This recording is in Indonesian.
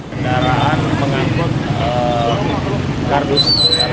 kendaraan pengangkut kartus